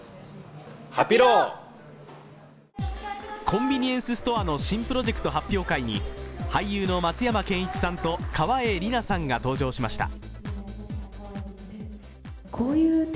コンビニエンスストアの新プロジェクト発表会に俳優の松山ケンイチさんと川栄李奈さんが登場しました。